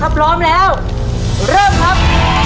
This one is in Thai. ถ้าพร้อมแล้วเริ่มครับ